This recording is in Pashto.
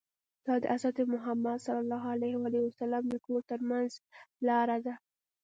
دا د حضرت محمد ص د کور ترمنځ لاره ده.